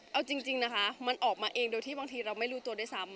เอาจริงมันออกมาเองโดยที่บางทีเราไม่รู้ตัวซึ่ง